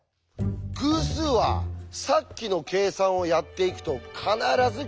偶数はさっきの計算をやっていくと必ず奇数になりますよね。